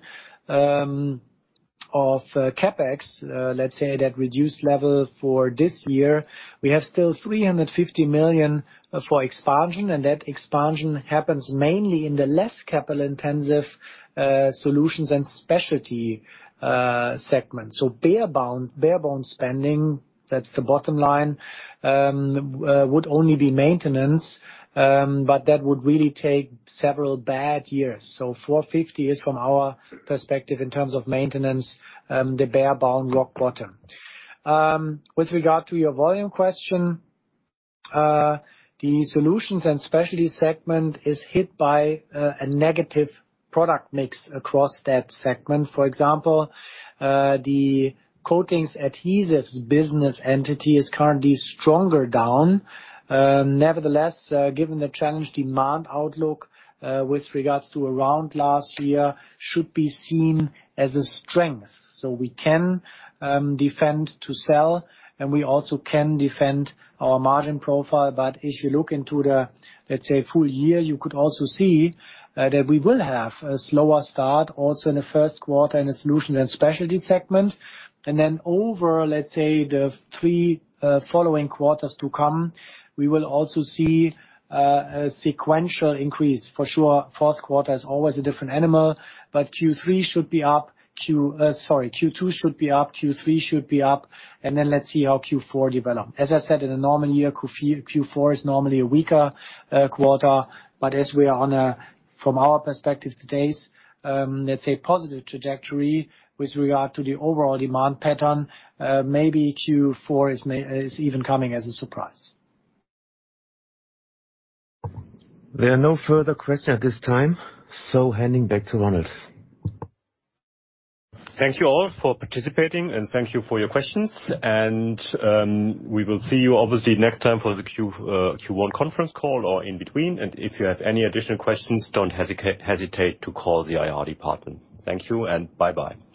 [SPEAKER 2] of CapEx, let's say that reduced level for this year, we have still 350 million for expansion, and that expansion happens mainly in the less capital-intensive Solutions & Specialties segments. Bare bone spending, that's the bottom line, would only be maintenance, but that would really take several bad years. 450 million is from our perspective in terms of maintenance, the bare bone rock bottom. With regard to your volume question, the Solutions & Specialties segment is hit by a negative product mix across that segment. For example, the coatings adhesives business entity is currently stronger down. Nevertheless, given the challenged demand outlook, with regards to around last year, should be seen as a strength. We can defend to sell, and we also can defend our margin profile. If you look into the, let's say, full year, you could also see that we will have a slower start also in the first quarter in the Solutions & Specialties segment. Then over, let's say, the three following quarters to come, we will also see a sequential increase. For sure, fourth quarter is always a different animal, but Q3 should be up. Sorry, Q2 should be up, Q3 should be up, and then let's see how Q4 develop. As I said, in a normal year, Q4 is normally a weaker quarter. As we are on a, from our perspective to date, let's say, positive trajectory with regard to the overall demand pattern, maybe Q4 is even coming as a surprise.
[SPEAKER 4] There are no further questions at this time. Handing back to Ronald.
[SPEAKER 1] Thank you all for participating, and thank you for your questions. We will see you obviously next time for the Q1 conference call or in between. If you have any additional questions, don't hesitate to call the IR department. Thank you, and bye-bye.